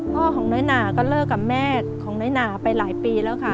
ของน้อยหนาก็เลิกกับแม่ของน้อยหนาไปหลายปีแล้วค่ะ